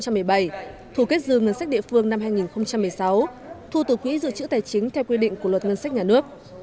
thu kết dư ngân sách địa phương năm hai nghìn một mươi sáu thu từ quỹ dự trữ tài chính theo quy định của luật ngân sách nhà nước